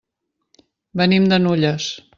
Venim de Nulles.